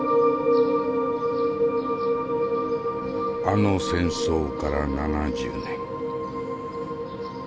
あの戦争から７０年。